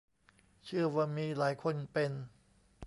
เชื่อว่ามีหลายคนเป็น